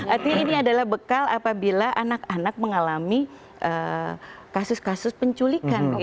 artinya ini adalah bekal apabila anak anak mengalami kasus kasus penculikan